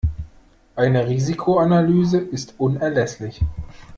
Eine Risikoanalyse ist unerlässlich.